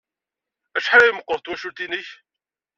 Acḥal ay meɣɣret twacult-nnek?